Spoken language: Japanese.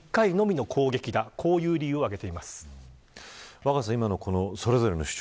若狭さん、このそれぞれの主張